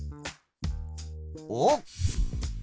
おっ！